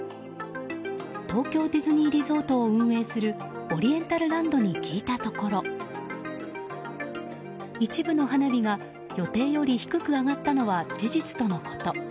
東京ディズニーリゾートを運営するオリエンタルランドに聞いたところ一部の花火が予定より低く上がったのは事実とのこと。